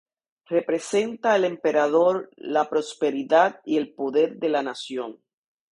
Representa el emperador, la prosperidad y el poder de la nación.